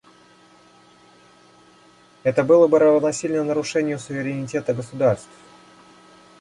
Это было бы равносильно нарушению суверенитета государств.